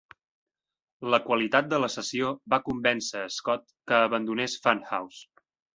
La qualitat de la sessió va convèncer Scott que abandonés Funhouse.